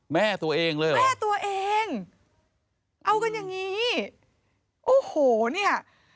แม่ตัวเองเลยเหรอแม่ตัวเองเอากันอย่างงี้โอ้โหเนี่ย